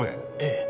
ええ。